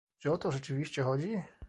Czy o to rzeczywiście chodzi?